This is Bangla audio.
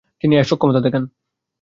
তিনি এ সক্ষমতা দেখান।